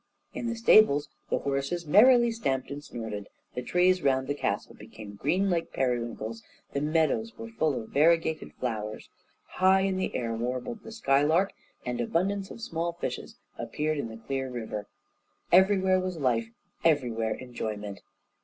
In the stables the horses merrily stamped and snorted, the trees round the castle became green like periwinkles, the meadows were full of variegated flowers, high in the air warbled the skylark, and abundance of small fishes appeared in the clear river. Everywhere was life, everywhere enjoyment.